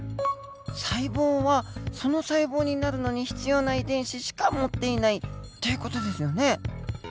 細胞はその細胞になるのに必要な遺伝子しか持っていないという事ですよね。